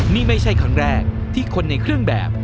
นี่ไม่ใช่ครั้งแรกที่คนในเครื่องแบบ